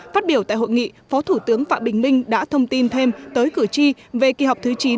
phát biểu tại hội nghị phó thủ tướng phạm bình minh đã thông tin thêm tới cử tri về kỳ họp thứ chín